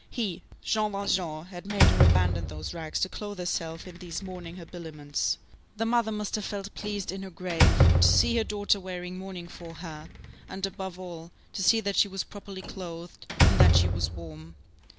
He, Jean Valjean, had made her abandon those rags to clothe herself in these mourning habiliments. The mother must have felt pleased in her grave, to see her daughter wearing mourning for her, and, above all, to see that she was properly clothed, and that she was warm.